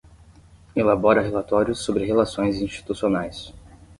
Elabora relatórios sobre relações institucionais.